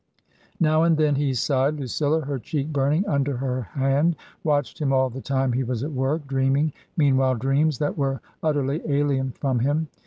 Now and then he sighed. Lucilla, her cheek burning under her hand, watched him all the time he was at work, dreaming meanwhile dreams that were utterly alien from him.